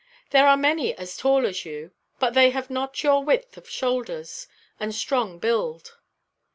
There are many as tall as you; but they have not your width of shoulders, and strong build.